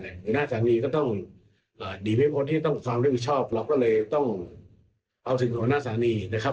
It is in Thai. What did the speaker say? หน้าสารีก็ต้องหลีกไปคนที่ต้องความเรียกชอบเราก็เลยต้องเอาสิ่งของหน้าสารีนะครับ